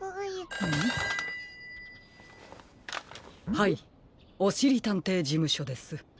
☎はいおしりたんていじむしょです。